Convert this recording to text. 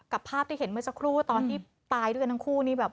ภาพที่เห็นเมื่อสักครู่ตอนที่ตายด้วยกันทั้งคู่นี้แบบ